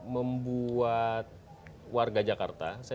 ketua pertama pertama